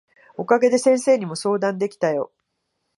お陰で先生にも相談できたよ。